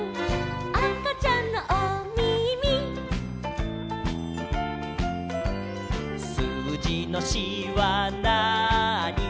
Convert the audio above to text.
「あかちゃんのおみみ」「すうじの４はなーに」